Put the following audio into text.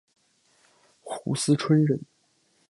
斛斯椿人。